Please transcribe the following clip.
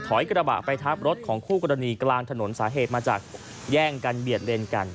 กระบะไปทับรถของคู่กรณีกลางถนนสาเหตุมาจากแย่งกันเบียดเลนกัน